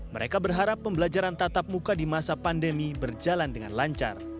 mereka berharap pembelajaran tatap muka di masa pandemi berjalan dengan lancar